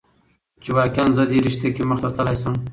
چې واقعا زه دې رشته کې مخته تللى شم.